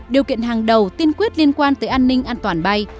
điều kiện hàng đầu tiên quyết liên quan tới an ninh an toàn bay